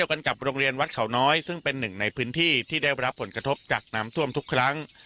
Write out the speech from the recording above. กันกับโรงเรียนวัดเขาน้อยซึ่งเป็นหนึ่งในพื้นที่ที่ได้รับผลกระทบจากน้ำท่วมทุกครั้ง